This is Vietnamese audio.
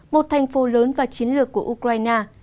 một thành phố lớn và chiến lược của ukraine